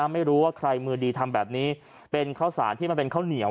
ไม่รู้ว่าใครมือดีทำแบบนี้เป็นข้าวสารที่มันเป็นข้าวเหนียว